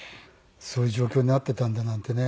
そういう状況になってたんだなんてね。